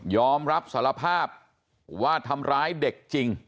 อมรับสารภาพว่าทำร้ายเด็กจริง